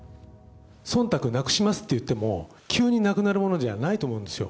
そんたくなくしますって言っても、急になくなるものじゃないと思うんですよ。